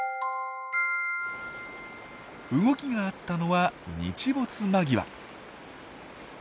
動きがあったのは日没間際。